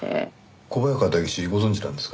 小早川代議士ご存じなんですか？